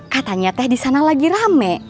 katanya teh disana lagi rame